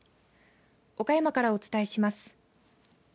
岡山からお伝えします。